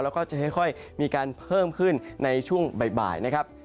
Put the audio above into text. แล้วก็จะค่อยมีการเพิ่มขึ้นในช่วงบ่ายนะครับ